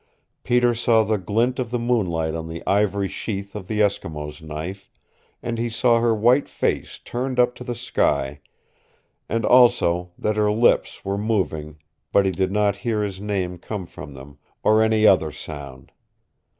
Peter saw the glint of the moonlight on the ivory sheath of the Eskimo knife, and he saw her white face turned up to the sky and also that her lips were moving, but he did not hear his name come from them, or any other sound.